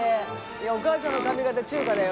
いやお母さんの髪型中華だよ